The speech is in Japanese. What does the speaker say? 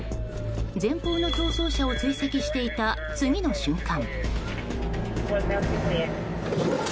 前方の逃走車を追跡していた次の瞬間。